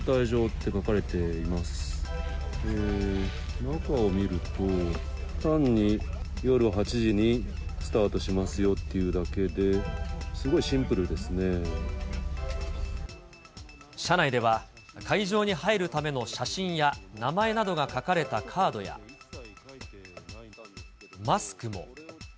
中を見ると、単に夜８時にスタートしますよっていうだけで、すごいシンプルで車内では、会場に入るための写真や名前などが書かれたカードやマスクも。